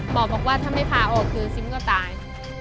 บอกว่าถ้าไม่พาออกคือซิมก็ตาย